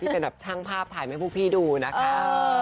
ที่เป็นช่างภาพถ่ายให้พวกพี่ดูนะคะ